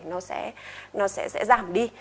nó sẽ giảm đi